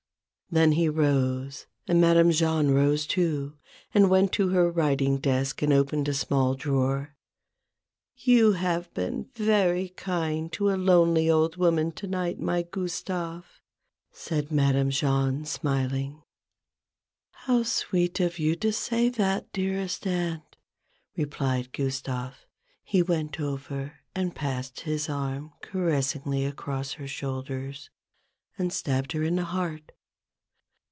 Then he rose, and Madame Jahn rose too, and went to her writing desk and opened a small drawer. " You have been very kind to a lonely old woman to night, my Gustave," said Madame Jahn, smiling. 86 A BOOK OF BARGAINS. " How sweet of you to say that, dearest aunt !" replied Gustave. He went over and passed his arm caressingly across her shoulders, and stabbed her in the heart.